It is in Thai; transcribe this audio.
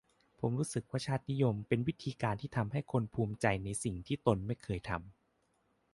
ผมรู้สึกว่าชาตินิยมเป็นวิธีการที่ทำให้คนภูมิใจในสิ่งที่ตนไม่เคยทำ